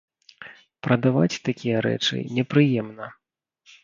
Прадаваць такія рэчы непрыемна.